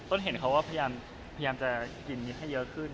ต้นเห็นว่าเขากำลังจะกินให้เยอะขึ้น